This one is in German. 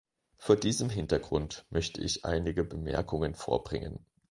Vor diesem Hintergrund möchte ich einige Bemerkungen vorbringen.